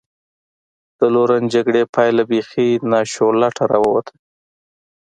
د لورن جګړې پایله بېخي ناشولته را ووته.